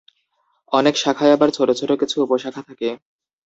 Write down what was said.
অনেক শাখায় আবার ছোট ছোট কিছু উপশাখা থাকে।